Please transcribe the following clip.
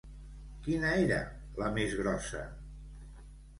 Quina era la més grossa?